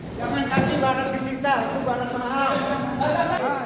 jangan kasih banyak disita itu banyak maaf